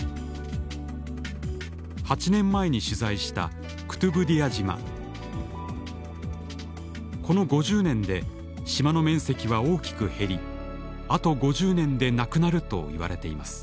８年前に取材したこの５０年で島の面積は大きく減りあと５０年でなくなるといわれています。